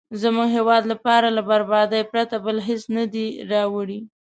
زموږ هیواد لپاره له بربادۍ پرته بل هېڅ نه دي راوړي.